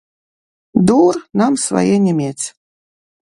Дур нам свае не мець.